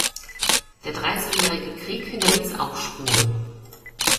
Der Dreißigjährige Krieg hinterließ auch Spuren.